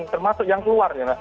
termasuk yang keluar ya